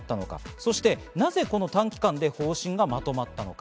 そして、なぜ短期間で方針がまとまったのか？